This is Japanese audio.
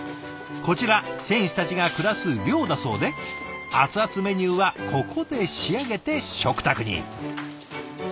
こちら選手たちが暮らす寮だそうで熱々メニューはここで仕上げて食卓に。